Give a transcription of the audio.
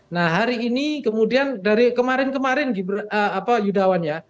nah hari ini kemudian dari kemarin kemarin yudawan ya